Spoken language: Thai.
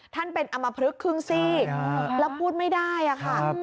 ท่านเป็นอมพลึกครึ่งซีกแล้วพูดไม่ได้อะค่ะ